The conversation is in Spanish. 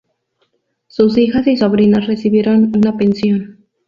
Sus hijas y sobrinas recibieron una pensión.